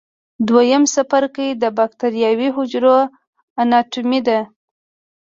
دویم څپرکی د بکټریاوي حجرو اناټومي ده.